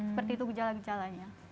seperti itu gejala gejalanya